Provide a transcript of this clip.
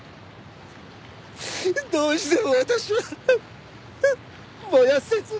どうしても私は燃やせずに。